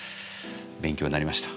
勉強になりました。